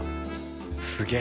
すげえ！